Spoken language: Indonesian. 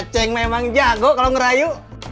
aceh memang jago kalo ngerayu